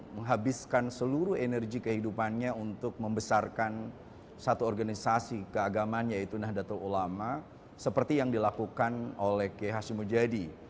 menghabiskan seluruh energi kehidupannya untuk membesarkan satu organisasi keagamaan yaitu nahdlatul ulama seperti yang dilakukan oleh kiai hashim mujadi